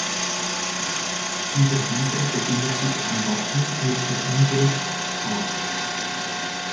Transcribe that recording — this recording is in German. Über dieser befindet sich ein Wappen mit der Inschrift „H.